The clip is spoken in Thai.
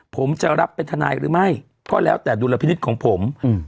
ผมจะรับเป็นทนายหรือไม่ก็แล้วแต่ดุลพินิษฐ์ของผม